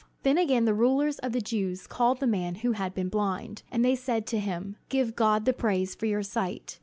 Then again the rulers of the Jews called the man who had been blind; and they said to him: "Give God the praise for your sight.